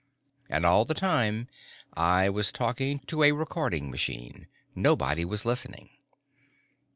And all the time I was talking to a recording machine. Nobody was listening.